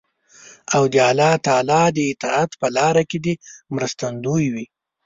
او د الله تعالی د اطاعت په لار کې دې مرستندوی وي.